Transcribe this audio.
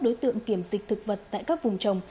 đối tượng kiểm dịch thực vật tại các vùng trồng